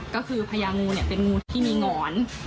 ก็คือพญางูเป็นงูที่มีหงอน